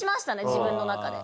自分の中で。